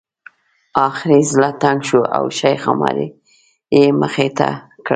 اخر یې زړه تنګ شو او شیخ عمر یې مخې ته کړ.